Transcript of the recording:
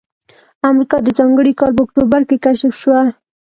امریکا د ځانګړي کال په اکتوبر کې کشف شوه.